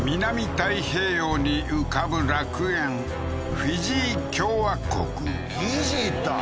太平洋に浮かぶ楽園フィジー行った？